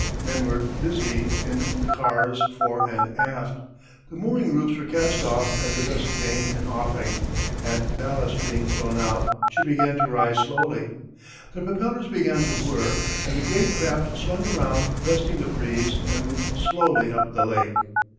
Men were busy in the cars, fore and aft. The mooring ropes were cast off as the vessel gained an offing, and ballast being thrown out she began to rise slowly. The propellers began to whir, and the great craft swung around breasting the breeze and moved slowly up the lake.